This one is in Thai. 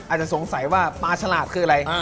อาจจะสงสัยว่าปลาฉลาดคืออะไร